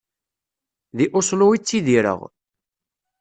Deg Oslo i ttidireɣ.